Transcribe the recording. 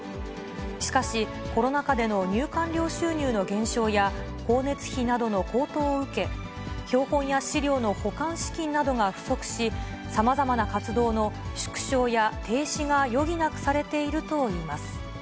しかし、コロナ禍での入館料収入の減少や、光熱費などの高騰を受け、標本や資料の保管資金などが不足し、さまざまな活動の縮小や停止が余儀なくされているといいます。